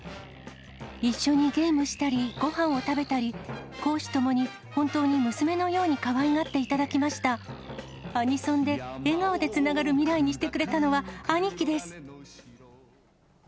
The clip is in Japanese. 一緒にゲームしたりごはんを食べたり、公私ともに本当に娘のようにかわいがっていただきました。アニソンで笑顔でつながる未来にしてくれたのはアニキです。